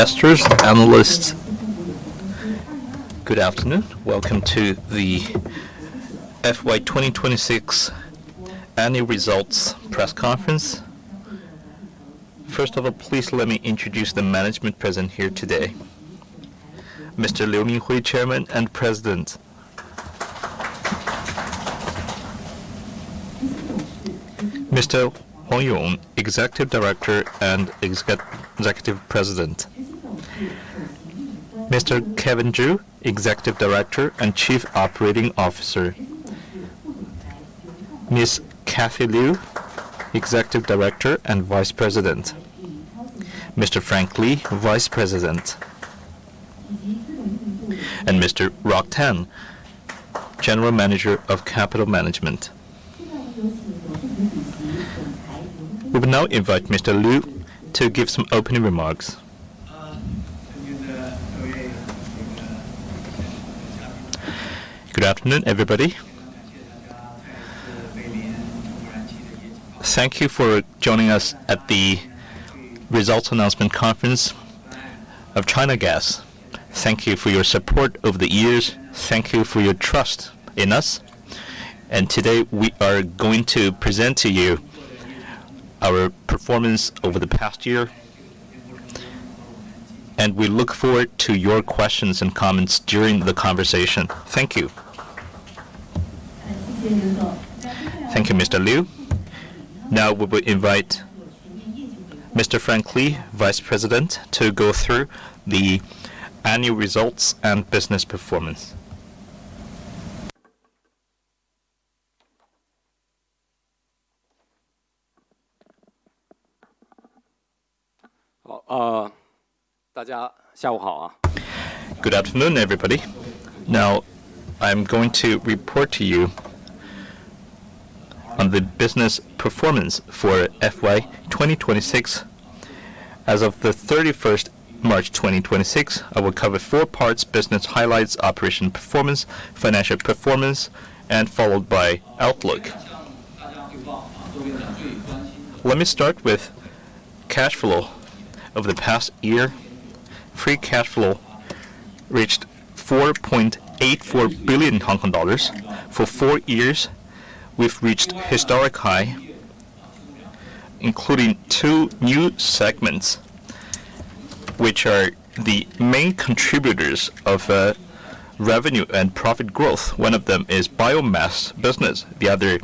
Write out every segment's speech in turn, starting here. Investors, analysts, good afternoon. Welcome to the FY 2026 annual results press conference. First of all, please let me introduce the management present here today. Mr. Liu Ming Hui, Chairman and President. Mr. HUANG Yong, Executive Director and Executive President. Mr. Kevin Zhu, Executive Director and Chief Operating Officer. Ms. Cathy Liu, Executive Director and Vice President. Mr. Frank Li, Vice President. Mr. Rock Tan, General Manager of Capital Management. We will now invite Mr. Liu to give some opening remarks. Good afternoon, everybody. Thank you for joining us at the results announcement conference of China Gas. Thank you for your support over the years. Thank you for your trust in us, and today we are going to present to you our performance over the past year, and we look forward to your questions and comments during the conversation. Thank you. Thank you, Mr. Liu. Now we will invite Mr. Frank Li, Vice President, to go through the annual results and business performance. Good afternoon, everybody. Now, I'm going to report to you on the business performance for FY 2026. As of the 31st March 2026, I will cover four parts, business highlights, operation performance, financial performance, and followed by outlook. Let me start with cash flow. Over the past year, free cash flow reached 4.84 billion Hong Kong dollars. For four years, we've reached historic high, including two new segments which are the main contributors of revenue and profit growth. One of them is biomass business, the other,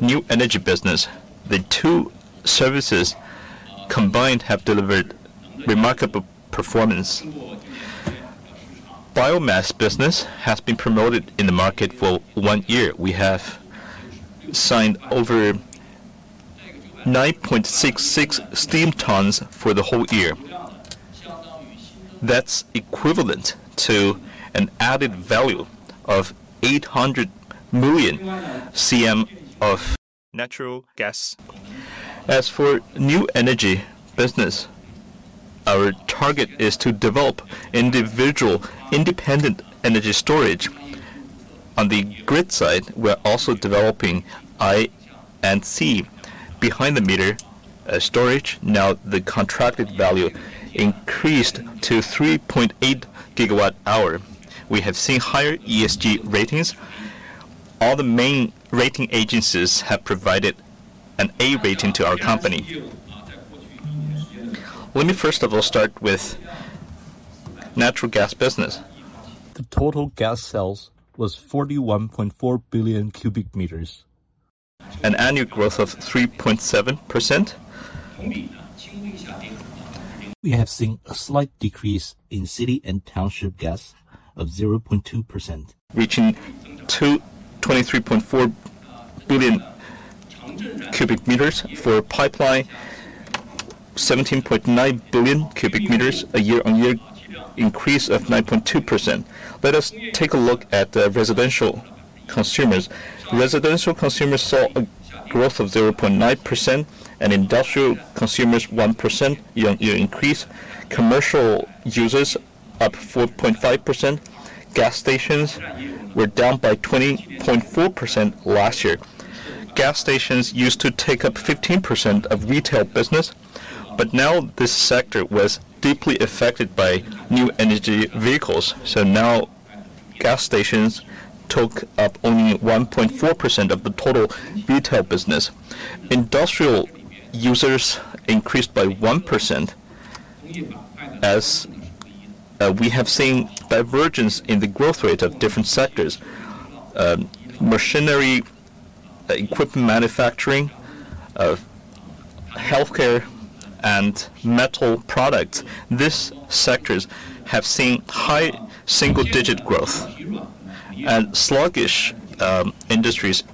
new energy business. The two services combined have delivered remarkable performance. Biomass business has been promoted in the market for one year. We have signed over 9.66 steam tons for the whole year. That's equivalent to an added value of 800 million cubic meters of natural gas. As for new energy business, our target is to develop individual independent energy storage. On the grid side, we're also developing I&C behind-the-meter storage. Now the contracted edincreased to 3.8 gigawatt hours. We have seen higher ESG ratings. All the main rating agencies have provided an A rating to our company. Let me first of all start with natural gas business. The total gas sales was 41.4 billion cubic meters, an annual growth of 3.7%. We have seen a slight decrease in city and township gas of 0.2%, reaching 23.4 billion cubic meters. For pipeline, 17.9 billion cubic meters, a year-on-year increase of 9.2%. Let us take a look at the residential consumers. Residential consumers saw a growth of 0.9% and industrial consumers 1% year-on-year increase. Commercial users up 4.5%. Gas stations were down by 20.4% last year. Gas stations used to take up 15% of retail business, but now this sector was deeply affected by new energy vehicles. Now gas stations took up only 1.4% of the total retail business. Industrial users increased by 1%. As we have seen divergence in the growth rate of different sectors, machinery, equipment manufacturing, healthcare, and metal products, these sectors have seen high single-digit growth. Sluggish industries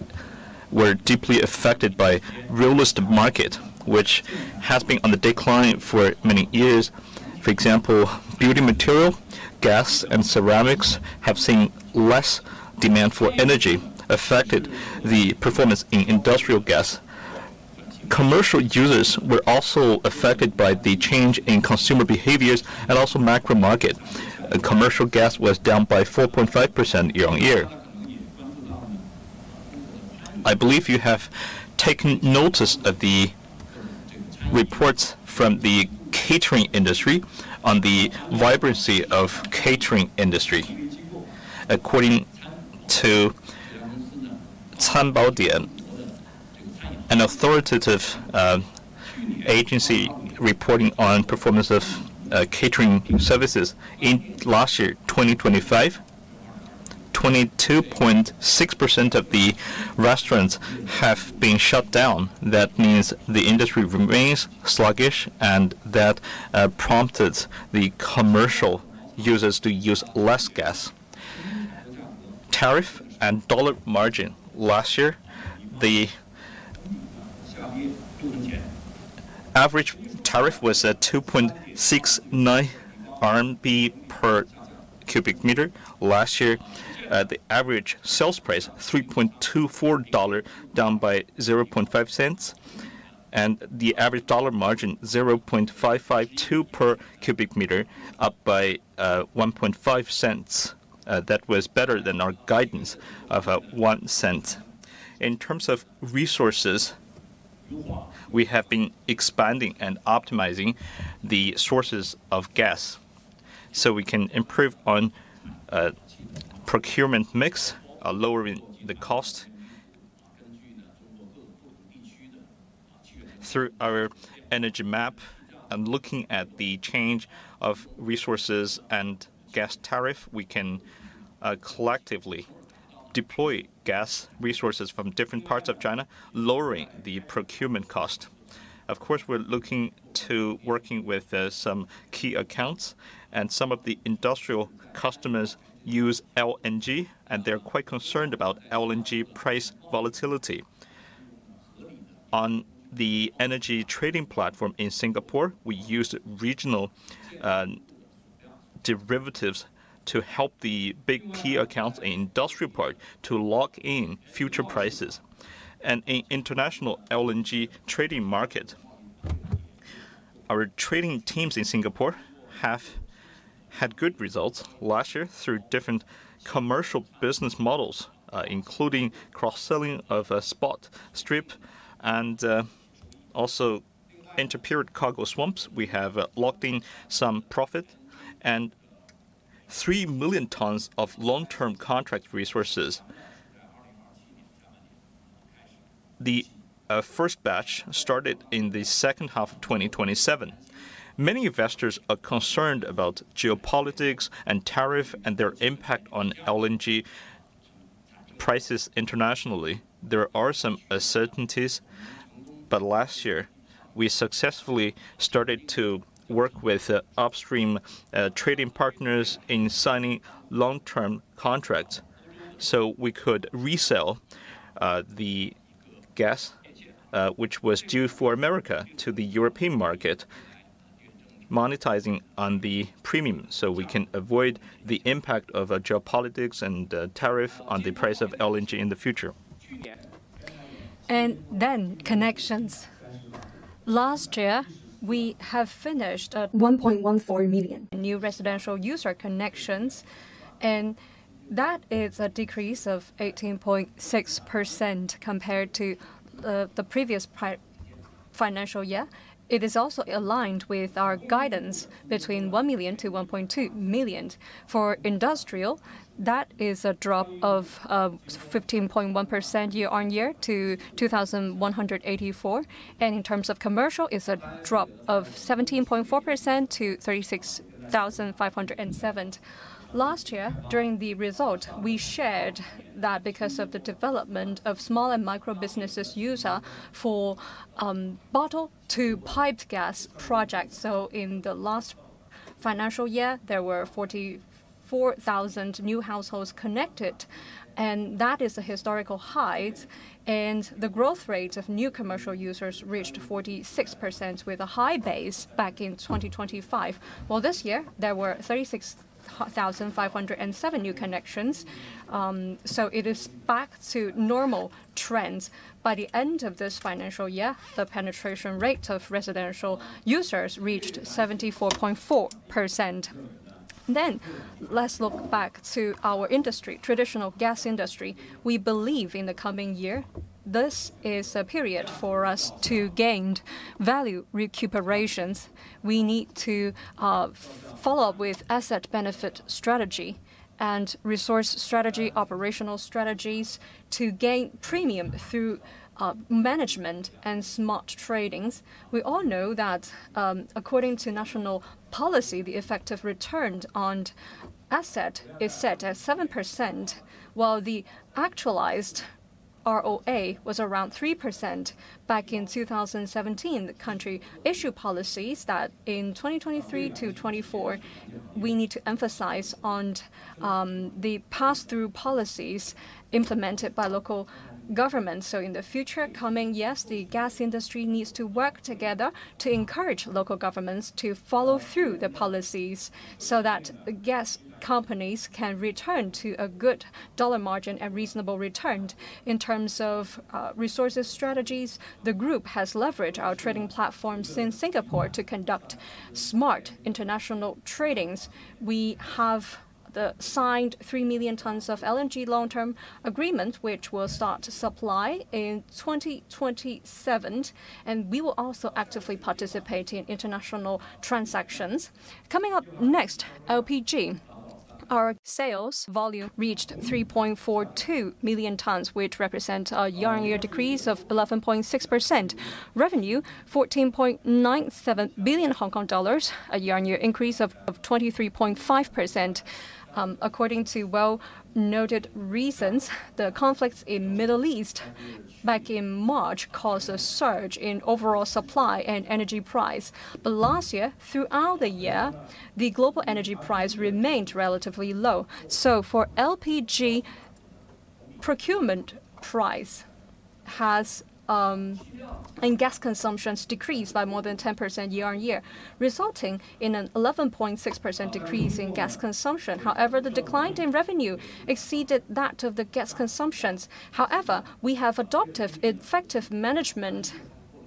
were deeply affected by real estate market, which has been on the decline for many years. For example, building material, gas, and ceramics have seen less demand for energy, affected the performance in industrial gas. Commercial users were also affected by the change in consumer behaviors and also macro market. Commercial gas was down by 4.5% year-on-year. I believe you have taken notice of the reports from the catering industry on the vibrancy of catering industry. According to Canbaodian, an authoritative agency reporting on performance of catering services, last year 2025, 22.6% of the restaurants have been shut down. That means the industry remains sluggish. That prompted the commercial users to use less gas. Tariff and dollar margin. Last year, the average tariff was at 2.69 RMB per cubic meter. Last year, the average sales price 3.24 dollar, down by 0.005. The average dollar margin 0.552 per cubic meter, up by 0.015. That was better than our guidance of 0.01. In terms of resources, we have been expanding and optimizing the sources of gas so we can improve on procurement mix, lowering the cost. Through our energy map and looking at the change of resources and gas tariff, we can collectively deploy gas resources from different parts of China, lowering the procurement cost. Of course, we're looking to working with some key accounts. Some of the industrial customers use LNG, and they're quite concerned about LNG price volatility. On the energy trading platform in Singapore, we used regional derivatives to help the big key accounts industrial part to lock in future prices. In international LNG trading market, our trading teams in Singapore have had good results. Last year, through different commercial business models, including cross-selling of a spot/strip and also interperiod cargo swaps, we have locked in some profit and 3 million tons of long-term contract resources. The first batch started in the second half of 2027. Many investors are concerned about geopolitics and tariff and their impact on LNG prices internationally. There are some uncertainties, but last year, we successfully started to work with upstream trading partners in signing long-term contracts so we could resell the gas which was due for the U.S. to the European market, monetizing on the premium, so we can avoid the impact of geopolitics and tariff on the price of LNG in the future. Connections. Last year, we have finished at 1.14 million new residential user connections. That is a decrease of 18.6% compared to the previous financial year. It is also aligned with our guidance between 1 million to 1.2 million. For industrial, that is a drop of 15.1% year-on-year to 2,184. In terms of commercial, it's a drop of 17.4% to 36,507. Last year, during the result, we shared that because of the development of small and microbusinesses user for bottle to piped gas projects. In the last financial year, there were 44,000 new households connected. That is a historical height. The growth rates of new commercial users reached 46% with a high base back in 2025. This year, there were 36,507 new connections. It is back to normal trends. By the end of this financial year, the penetration rate of residential users reached 74.4%. Let's look back to our industry, traditional gas industry. We believe in the coming year, this is a period for us to gain value recuperations. We need to follow up with asset benefit strategy and resource strategy, operational strategies to gain premium through management and smart trading. We all know that according to national policy, the effective return on asset is set at 7%, while the actualized ROA was around 3% back in 2017. The country issued policies that in 2023-2024, we need to emphasize on the pass-through policies implemented by local governments. In the future coming years, the gas industry needs to work together to encourage local governments to follow through the policies so that gas companies can return to a good dollar margin and reasonable return. In terms of resources strategies, the group has leveraged our trading platforms in Singapore to conduct smart international trading. We have signed 3 million tons of LNG long-term agreement, which will start to supply in 2027, and we will also actively participate in international transactions. Coming up next, LPG. Our sales volume reached 3.42 million tons, which represented a year-on-year decrease of 11.6%. Revenue, 14.97 billion Hong Kong dollars, a year-on-year increase of 23.5%. According to well-noted reasons, the conflicts in Middle East back in March caused a surge in overall supply and energy prices. Last year, throughout the year, the global energy prices remained relatively low. For LPG, procurement prices and gas consumption decreased by more than 10% year-on-year, resulting in an 11.6% decrease in gas consumption. However, the decline in revenue exceeded that of the gas consumption. However, we have adopted effective management,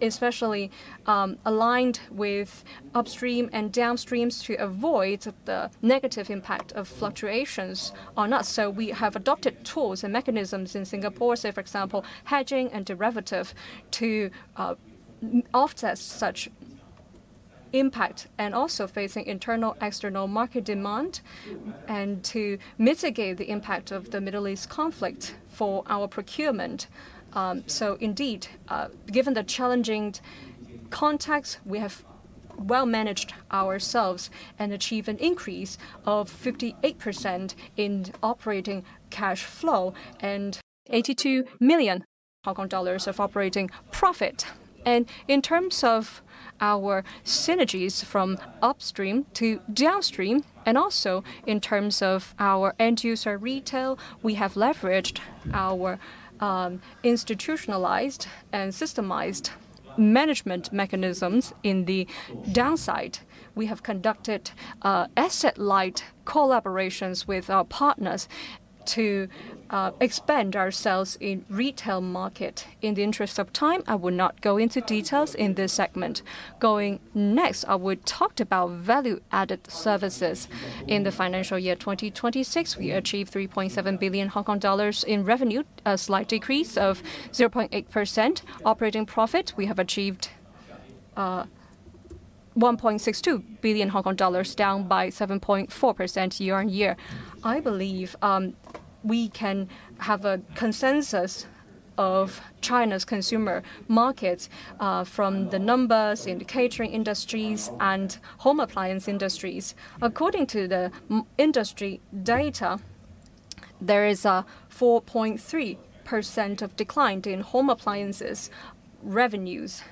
especially aligned with upstream and downstream to avoid the negative impact of fluctuations on us. We have adopted tools and mechanisms in Singapore, for example, hedging and derivatives to offset such impact, and also facing internal, external market demand and to mitigate the impact of the Middle East conflict for our procurement. Indeed, given the challenging context, we have well managed ourselves and achieved an increase of 58% in operating cash flow and 82 million Hong Kong dollars of operating profit. In terms of our synergies from upstream to downstream, and also in terms of our end-user retail, we have leveraged our institutionalized and systemized management mechanisms. In the downside, we have conducted asset-light collaborations with our partners to expand ourselves in retail markets. In the interest of time, I will not go into details in this segment. Going next, I would talk about value-added services. In the financial year 2026, we achieved 3.7 billion Hong Kong dollars in revenue, a slight decrease of 0.8%. Operating profit, we have achieved, 1.62 billion Hong Kong dollars, down by 7.4% year-on-year. I believe we can have a consensus of China's consumer markets from the numbers in the catering industry and home appliance industry. According to the industry data, there is a 4.3% of decline in home appliance revenues.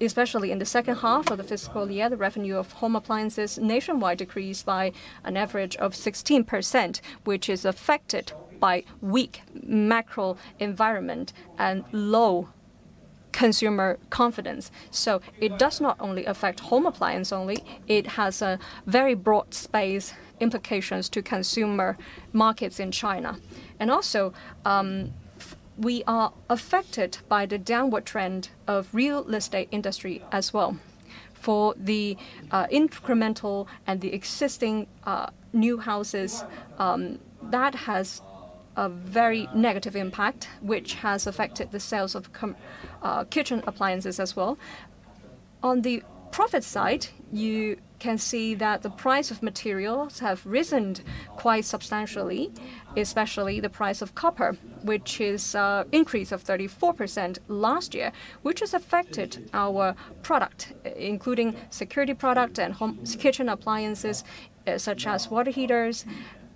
Especially in the second half of the fiscal year, the revenue of home appliance nationwide decreased by an average of 16%, which is affected by weak macro environment and low consumer confidence. It does not only affect home appliance, it has a very broad space implications to consumer markets in China. Also, we are affected by the downward trend of real estate industry as well. For the incremental and the existing new houses, that has a very negative impact, which has affected the sales of kitchen appliances as well. On the profit side, you can see that the price of materials have risen quite substantially, especially the price of copper, which is increase of 34% last year, which has affected our product, including security product and kitchen appliances, such as water heaters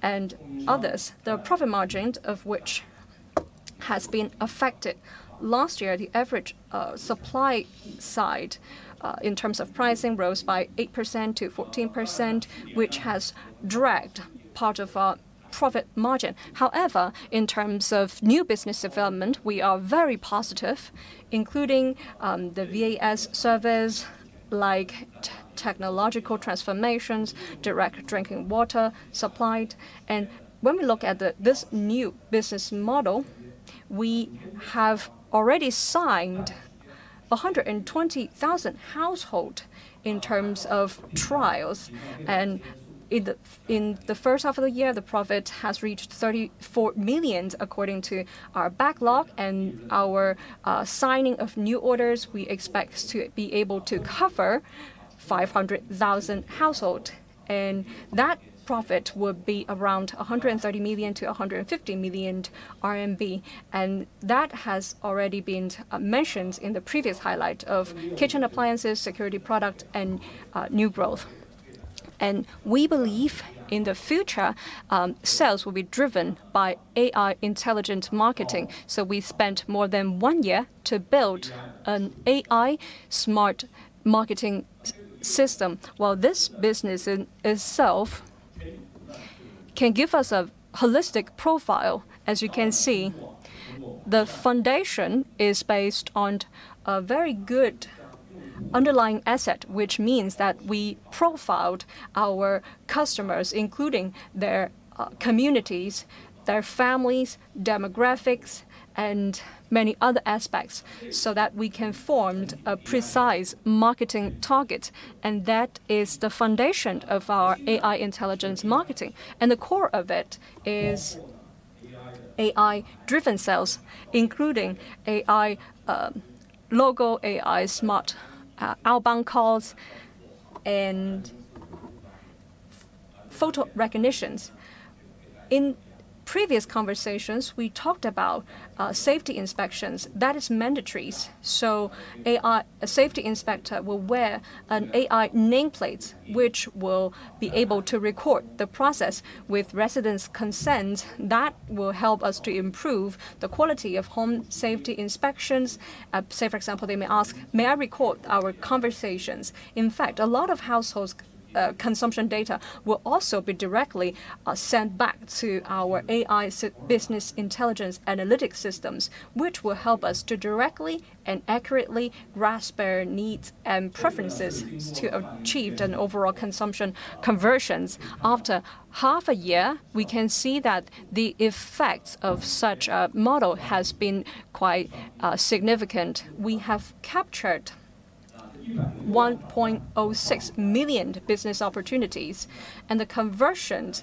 and others. The profit margin of which has been affected. Last year, the average supply side, in terms of pricing, rose by 8%-14%, which has dragged part of our profit margin. However, in terms of new business development, we are very positive, including the VAS service like technological transformations, direct drinking water supplied. When we look at this new business model, we have already signed 120,000 household in terms of trials. In the first half of the year, the profit has reached 34 million according to our backlog and our signing of new orders. We expect to be able to cover 500,000 household, and that profit will be around 130 million to 150 million RMB. That has already been mentioned in the previous highlight of kitchen appliances, security product, and new growth. We believe in the future, sales will be driven by AI intelligent marketing. We spent more than one year to build an AI smart marketing system. While this business in itself can give us a holistic profile, as you can see, the foundation is based on a very good underlying asset, which means that we profiled our customers, including their communities, their families, demographics, and many other aspects so that we can formed a precise marketing target. That is the foundation of our AI intelligence marketing. The core of it is AI-driven sales, including AI logo, AI smart outbound calls, and photo recognitions. In previous conversations, we talked about safety inspections. That is mandatory. A safety inspector will wear an AI nameplate, which will be able to record the process with residents' consent. That will help us to improve the quality of home safety inspections. Say, for example, they may ask, "May I record our conversations?" In fact, a lot of household consumption data will also be directly sent back to our AI business intelligence analytics systems, which will help us to directly and accurately grasp their needs and preferences to achieve overall consumption conversions. After half a year, we can see that the effects of such a model has been quite significant. We have captured 1.06 million business opportunities, and the conversions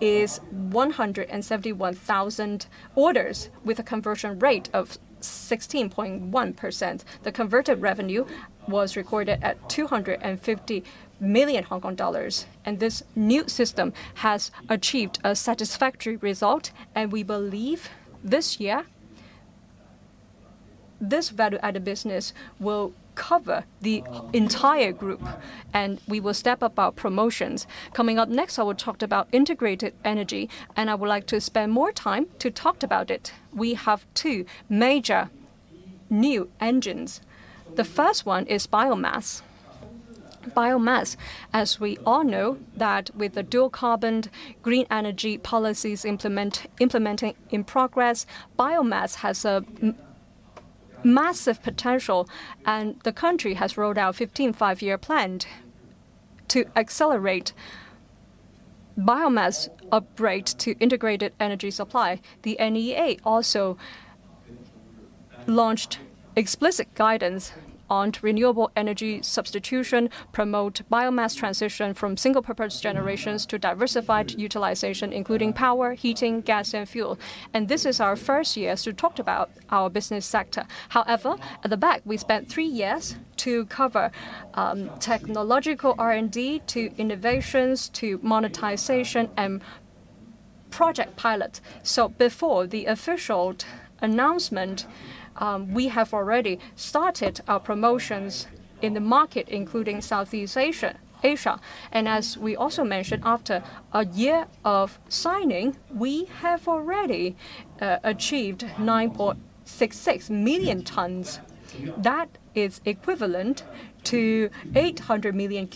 is 171,000 orders with a conversion rate of 16.1%. The converted revenue was recorded at 250 million Hong Kong dollars. This new system has achieved a satisfactory result. We believe this year, this value-added business will cover the entire group. We will step up our promotions. Coming up next, I will talk about integrated energy. I would like to spend more time to talk about it. We have two major new engines. The first one is biomass. Biomass, as we all know, that with the dual-carbon green energy policies implementing in progress, biomass has a massive potential, and the country has rolled out 15th Five-Year Plan to accelerate biomass operate to integrated energy supply. The NEA also launched explicit guidance on renewable energy substitution, promote biomass transition from single-purpose generations to diversified utilization, including power, heating, gas, and fuel. This is our first year to talk about our business sector. However, at the back, we spent 3 years to cover technological R&D, to innovations, to monetization, and project pilot. Before the official announcement, we have already started our promotions in the market, including Southeast Asia. As we also mentioned, after a year of signing, we have already achieved 9.66 million tons. That is equivalent to 800 million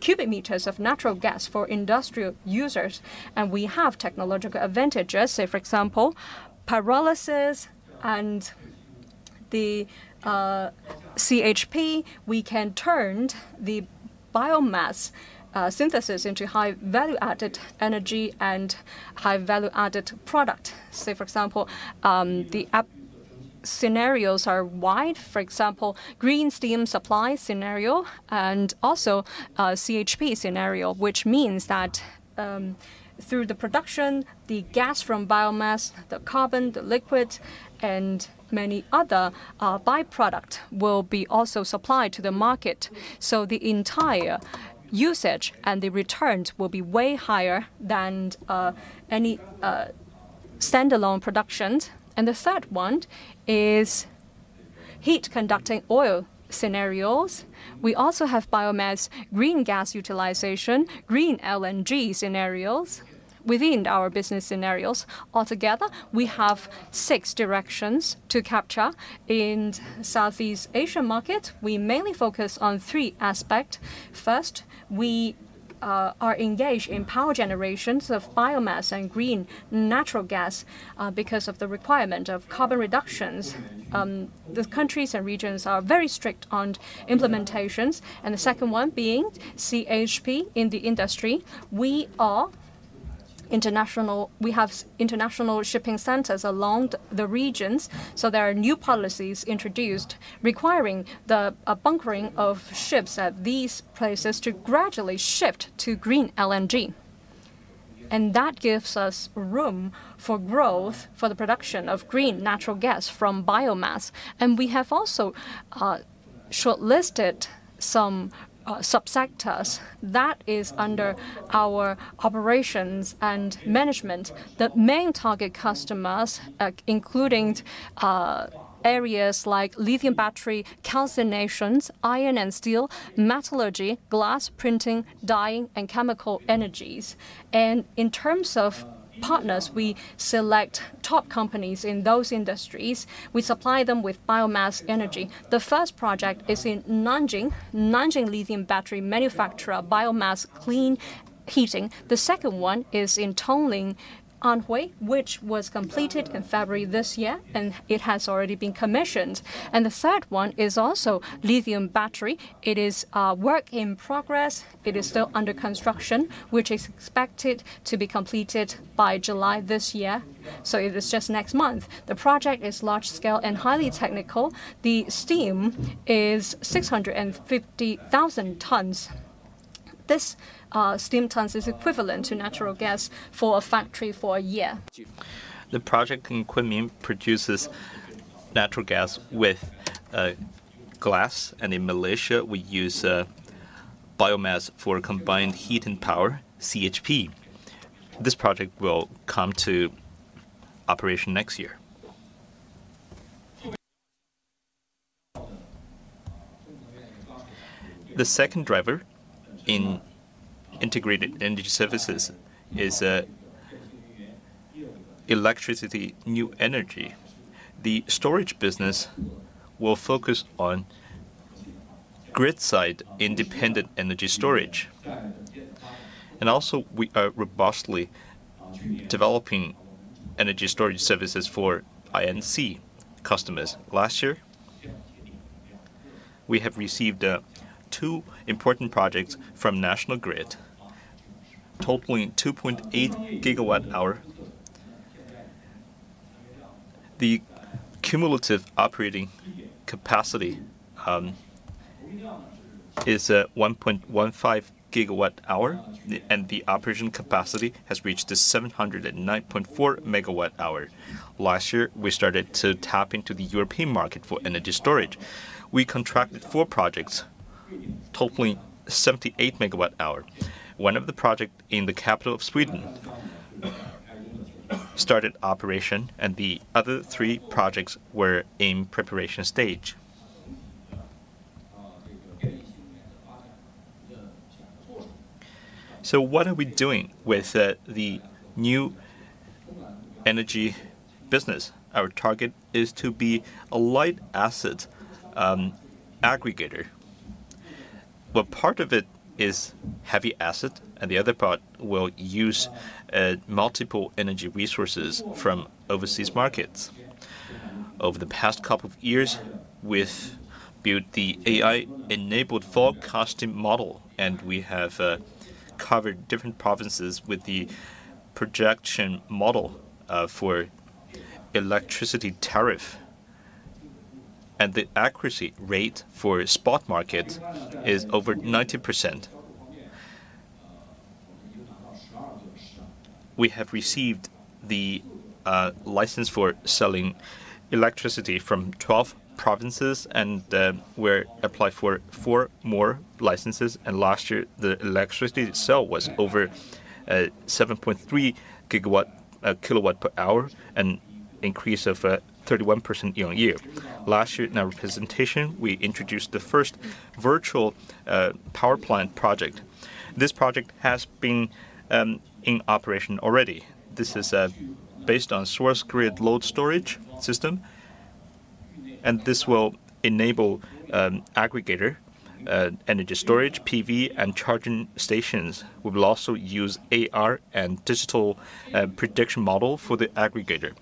cubic meters of natural gas for industrial users, and we have technological advantages. Say, for example, pyrolysis and the CHP. We can turn the biomass synthesis into high-value-added energy and high-value-added product. Say, for example, the application scenarios are wide. For example, green steam supply scenario and also CHP scenario, which means that through the production, the gas from biomass, the carbon, the liquids, and many other by-product will be also supplied to the market. The entire usage and the returns will be way higher than any standalone productions. The third one is heat conducting oil scenarios. We also have biomass green gas utilization, green LNG scenarios within our business scenarios. Altogether, we have six directions to capture. In Southeast Asia market, we mainly focus on three aspect. First, we are engaged in power generations of biomass and green natural gas because of the requirement of carbon reductions. The countries and regions are very strict on implementations. The second one being CHP in the industry. We have international shipping centers along the regions, there are new policies introduced requiring the bunkering of ships at these places to gradually shift to green LNG. That gives us room for growth for the production of green natural gas from biomass. We have also shortlisted some sub-sectors that is under our operations and management. The main target customers, including areas like lithium battery, calcinations, iron and steel, metallurgy, glass printing, dyeing, and chemical energies. In terms of partners, we select top companies in those industries. We supply them with biomass energy. The first project is in Nanjing Lithium Battery manufacturer, biomass clean heating. The second one is in Tongling, Anhui, which was completed in February this year, and it has already been commissioned. The third one is also lithium battery. It is a work in progress. It is still under construction, which is expected to be completed by July this year. It is just next month. The project is large-scale and highly technical. The steam is 650,000 tons. This steam is equivalent to natural gas for a factory for a year. The project in Kunming produces natural gas with glass, and in Malaysia, we use biomass for combined heat and power, CHP. This project will come to operation next year. The second driver in integrated energy services is electricity new energy. The storage business will focus on grid-side independent energy storage. We are robustly developing energy storage services for I&C customers. Last year, we have received two important projects from National Grid, totaling 2.8 GWh. The cumulative operating capacity is 1.15 GWh, and the operation capacity has reached 709.4 MWh. Last year, we started to tap into the European market for energy storage. We contracted four projects totaling 78 MWh. One of the project in the capital of Sweden started operation, and the other three projects were in preparation stage. What are we doing with the new energy business? Our target is to be a light asset aggregator. Part of it is heavy asset, and the other part will use multiple energy resources from overseas markets. Over the past couple of years, we've built the AI-enabled forecasting model, and we have covered different provinces with the projection model for electricity tariff. The accuracy rate for spot markets is over 90%. We have received the license for selling electricity from 12 provinces, and we applied for four more licenses. Last year, the electricity itself was over 7.3 kWh, an increase of 31% year-on-year. Last year in our presentation, we introduced the first virtual power plant project. This project has been in operation already. This is based on source-grid-load-storage system, and this will enable aggregator energy storage, PV, and charging stations. We will also use AI and digital prediction model for the aggregator.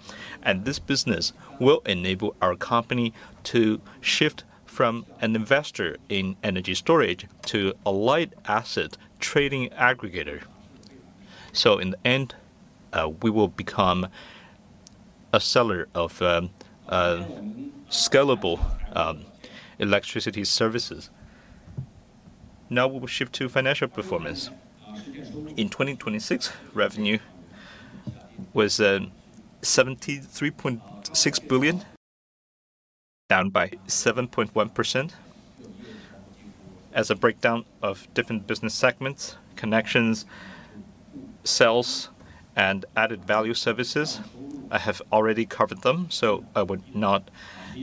This business will enable our company to shift from an investor in energy storage to a light asset trading aggregator. In the end, we will become a seller of scalable electricity services. Now we will shift to financial performance. In 2026, revenue was 73.6 billion, down by 7.1%. As a breakdown of different business segments, connections, sales, and added value services, I have already covered them, so I would not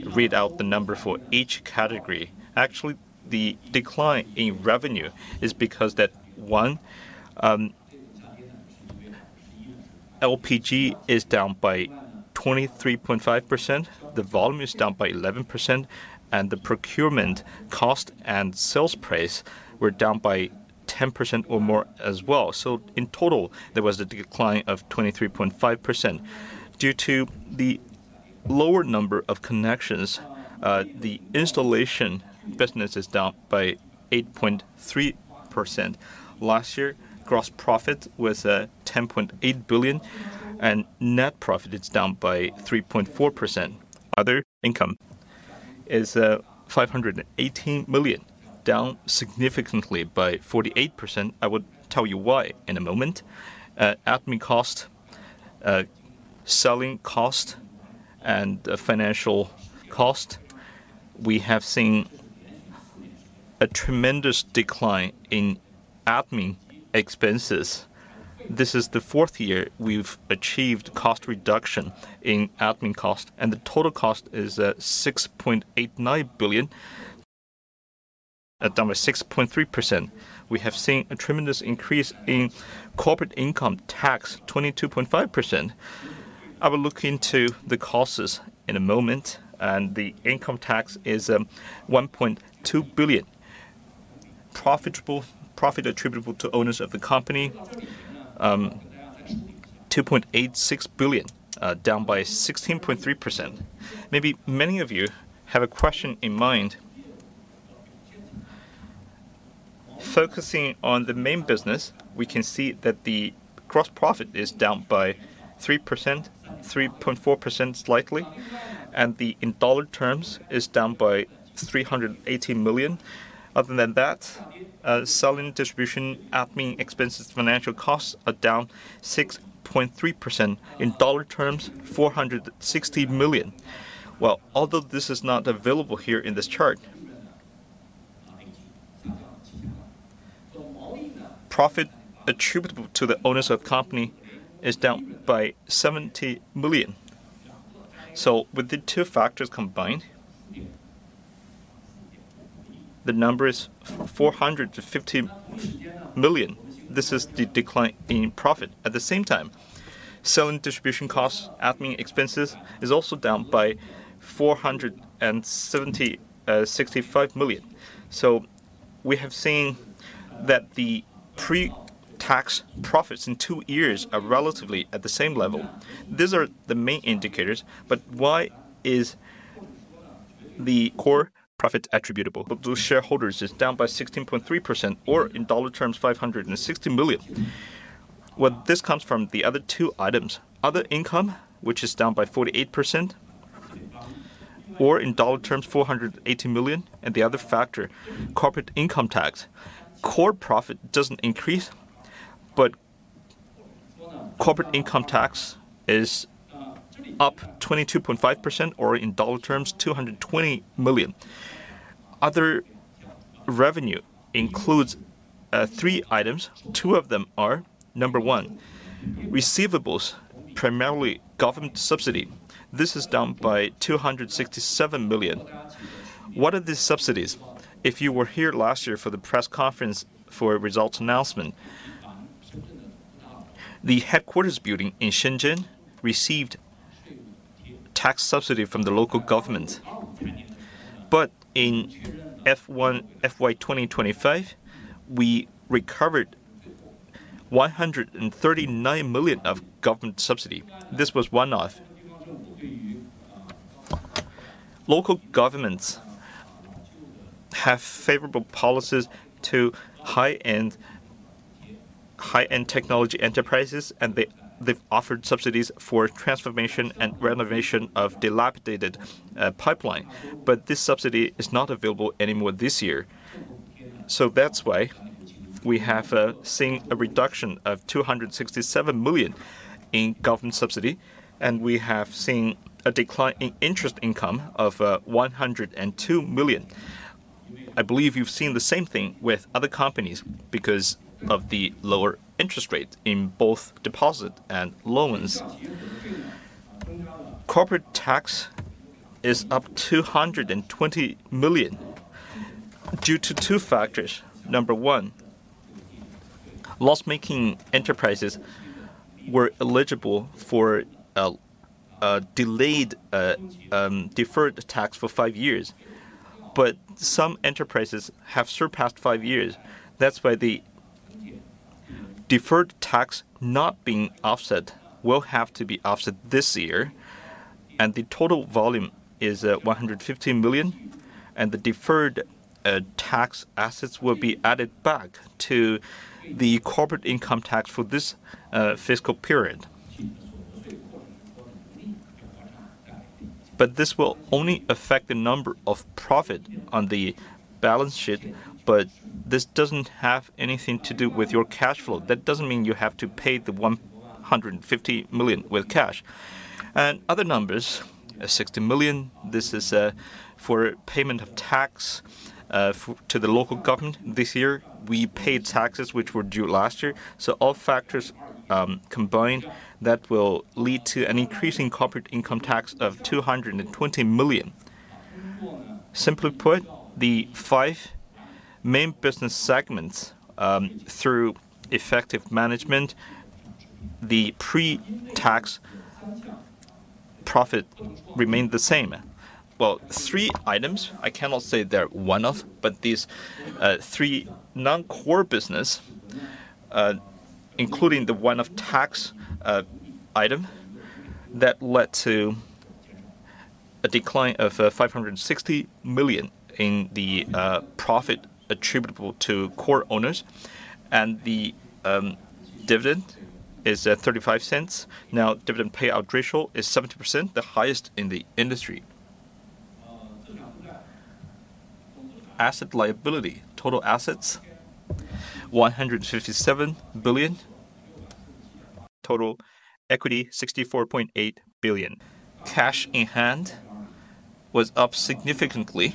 read out the number for each category. Actually, the decline in revenue is because that one, LPG is down by 23.5%, the volume is down by 11%, and the procurement cost and sales price were down by 10% or more as well. In total, there was a decline of 23.5%. Due to the lower number of connections, the installation business is down by 8.3%. Last year, gross profit was 10.8 billion and net profit is down by 3.4%. Other income is 518 million, down significantly by 48%. I would tell you why in a moment. Admin cost, selling cost, and financial cost. We have seen a tremendous decline in admin expenses. This is the fourth year we've achieved cost reduction in admin cost, and the total cost is 6.89 billion, down by 6.3%. We have seen a tremendous increase in corporate income tax, 22.5%. I will look into the causes in a moment, and the income tax is 1.2 billion. Profit attributable to owners of the company, 2.86 billion, down by 16.3%. Maybe many of you have a question in mind. Focusing on the main business, we can see that the Gross profit is down by 3%, 3.4% slightly, and in HKD terms, it's down by 318 million. Other than that, selling, distribution, admin expenses, financial costs are down 6.3%, in HKD terms, 460 million dollar. Well, although this is not available here in this chart, profit attributable to the owners of company is down by 70 million. With the two factors combined, the number is 450 million. This is the decline in profit. At the same time, selling distribution costs, admin expenses is also down by 470, 65 million. We have seen that the pre-tax profits in two years are relatively at the same level. These are the main indicators. Why is the core profit attributable to shareholders is down by 16.3%, or in HKD terms, 560 million dollar? Well, this comes from the other two items. Other income, which is down by 48%, or in HKD terms, 480 million dollar. The other factor, corporate income tax. Core profit doesn't increase. Corporate income tax is up 22.5%, or in HKD terms, 220 million dollar. Other revenue includes three items. Two of them are, number 1, receivables, primarily government subsidy. This is down by 267 million. What are these subsidies? If you were here last year for the press conference for results announcement, the headquarters building in Shenzhen received tax subsidy from the local government. In FY 2025, we recovered 139 million of government subsidy. This was one-off. Local governments have favorable policies to high-end technology enterprises. They've offered subsidies for transformation and renovation of dilapidated pipeline. This subsidy is not available anymore this year. That's why we have seen a reduction of 267 million in government subsidy, and we have seen a decline in interest income of 102 million. I believe you've seen the same thing with other companies because of the lower interest rate in both deposit and loans. Corporate tax is up 220 million due to two factors. Number 1, loss-making enterprises were eligible for a deferred tax for five years. Some enterprises have surpassed five years. That's why the deferred tax not being offset will have to be offset this year, and the total volume is 115 million, and the deferred tax assets will be added back to the corporate income tax for this fiscal period. This will only affect the number of profit on the balance sheet, but this doesn't have anything to do with your cash flow. That doesn't mean you have to pay the 150 million with cash. Other numbers, 60 million, this is for payment of tax to the local government this year. We paid taxes which were due last year. All factors combined, that will lead to an increase in corporate income tax of 220 million. Simply put, the five main business segments, through effective management, the pre-tax profit remained the same. Well, three items, I cannot say they're one-off. These three non-core business, including the one-off tax item, that led to a decline of 560 million in the profit attributable to core owners and the dividend is 0.35. Now, dividend payout ratio is 70%, the highest in the industry. Asset liability, total assets, 157 billion. Total equity, 64.8 billion. Cash in hand was up significantly.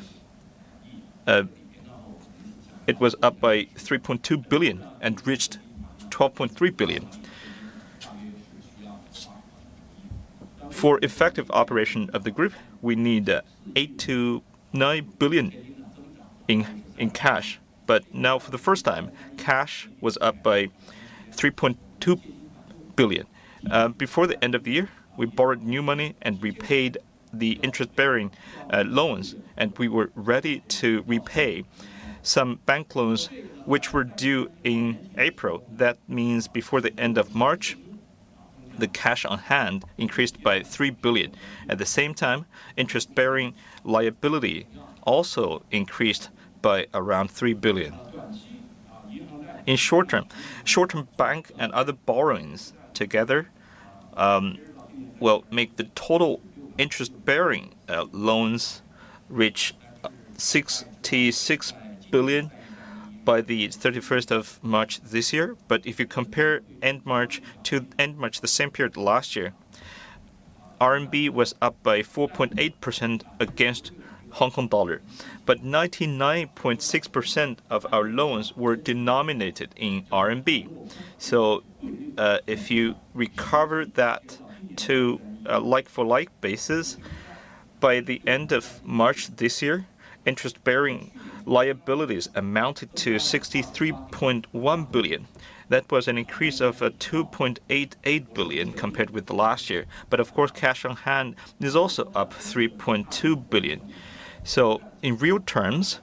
It was up by 3.2 billion and reached 12.3 billion. For effective operation of the group, we need 8 billion-9 billion in cash. Now for the first time, cash was up by 3.2 billion. Before the end of the year, we borrowed new money and repaid the interest-bearing loans. We were ready to repay some bank loans which were due in April. That means before the end of March, the cash on hand increased by 3 billion. At the same time, interest-bearing liability also increased by around 3 billion. In short term, bank and other borrowings together will make the total interest-bearing loans reach 66 billion by the 31st of March this year. If you compare end March to end March the same period last year, RMB was up by 4.8% against HKD. 99.6% of our loans were denominated in RMB. If you recover that to a like-for-like basis, by the end of March this year, interest-bearing liabilities amounted to 63.1 billion. That was an increase of 2.88 billion compared with the last year. Of course, cash on hand is also up 3.2 billion. In real terms,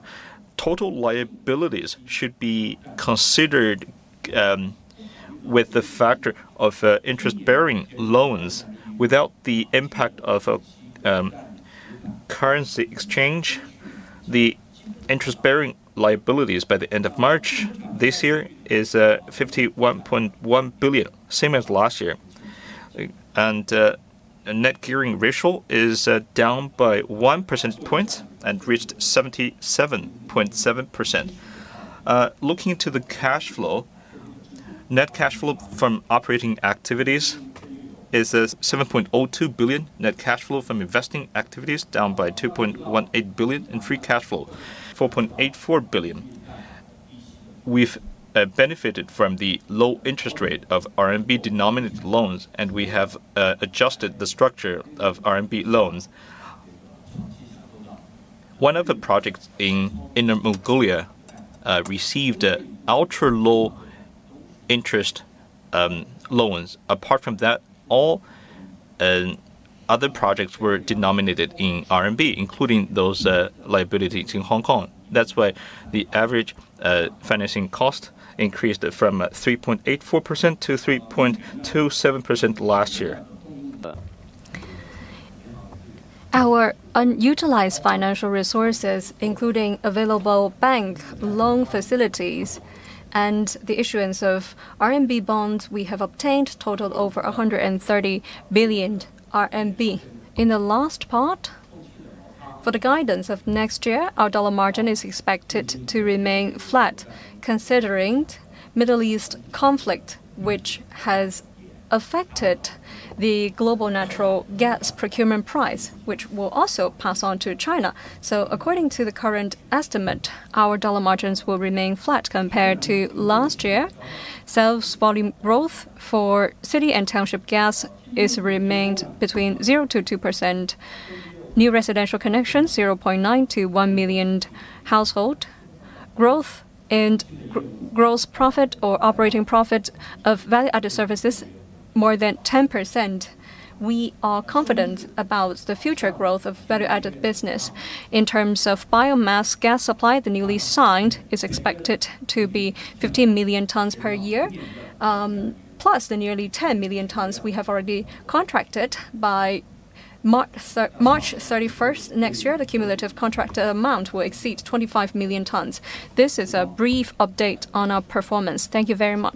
total liabilities should be considered with the factor of interest-bearing loans without the impact of currency exchange. The interest-bearing liabilities by the end of March this year is 51.1 billion, same as last year. Net gearing ratio is down by one percentage point and reached 77.7%. Looking to the cash flow, net cash flow from operating activities is 7.02 billion. Net cash flow from investing activities down by 2.18 billion, and free cash flow 4.84 billion. We've benefited from the low interest rate of RMB-denominated loans. We have adjusted the structure of RMB loans. One of the projects in Inner Mongolia received ultra-low interest loans. Apart from that, all other projects were denominated in RMB, including those liabilities in Hong Kong. That's why the average financing cost increased from 3.84% to 3.27% last year. Our unutilized financial resources, including available bank loan facilities and the issuance of RMB bonds we have obtained totaled over 130 billion RMB. In the last part, for the guidance of next year, our dollar margin is expected to remain flat considering Middle East conflict, which has affected the global natural gas procurement price, which will also pass on to China. According to the current estimate, our dollar margins will remain flat compared to last year. Sales volume growth for city and township gas is remained between 0%-2%. New residential connections, 0.9 million-1 million household. Growth and gross profit or operating profit of value-added services more than 10%. We are confident about the future growth of value-added business. In terms of biomass gas supply, the newly signed is expected to be 15 million tons per year, plus the nearly 10 million tons we have already contracted. By March 31st next year, the cumulative contract amount will exceed 25 million tons. This is a brief update on our performance. Thank you very much